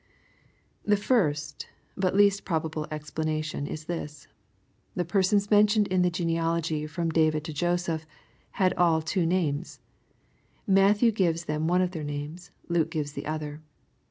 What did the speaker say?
The first, but least probable explanation, is this. The persons mentioned in the genealogy fi om David to Joseph had aU two names. Matthew gives one of their names, Luke gives the other.